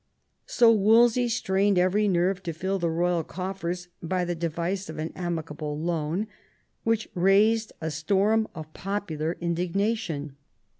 ^ So Wolsey strained every nerve to fill the royal coffers by the device of an "Amicable Loan," which raised a storm of popular indignation.